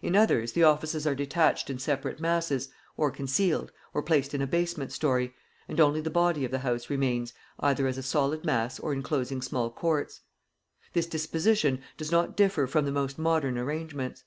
In others the offices are detached in separate masses, or concealed, or placed in a basement story; and only the body of the house remains, either as a solid mass or enclosing small courts: this disposition does not differ from the most modern arrangements.